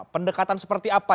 pendekatan seperti apa